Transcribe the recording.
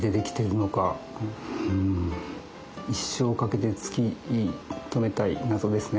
一生をかけて突き止めたい謎ですね